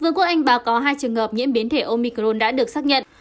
vương quốc anh báo có hai trường hợp nhiễm biến thể omicron đã được xác nhận